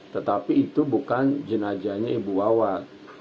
tetapi itu bukan jenazahnya ibu wawah